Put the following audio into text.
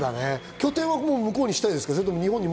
拠点は向こうにしたいですか？